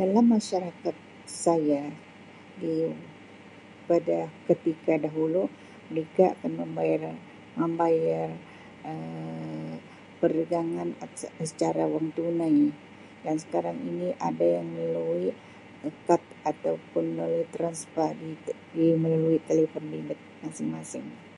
"Dalam masyarakat saya Um pada ketika dahulu mereka kan membayar membayar Um perdagangan atas secara wang tunai dan sekarang ini ada yang melalui kad atau pun melalui ""transfer"" [unintelligible] melalui telefon bimbit masing-masing."